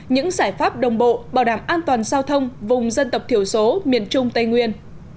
những giải pháp đồng bộ bảo đảm an toàn giao thông vùng dân tộc thiểu số miền trung tây nguyên